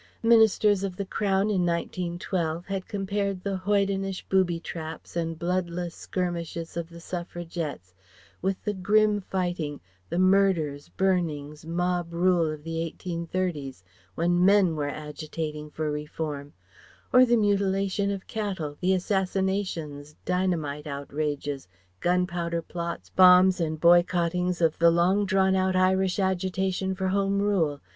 Ministers of the Crown in 1912 had compared the hoydenish booby traps and bloodless skirmishes of the Suffragettes with the grim fighting, the murders, burnings, mob rule of the 1830's, when MEN were agitating for Reform; or the mutilation of cattle, the assassinations, dynamite outrages, gun powder plots, bombs and boycotting of the long drawn out Irish agitation for Home Rule.